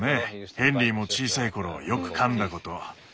ヘンリーも小さいころよく噛んだこと。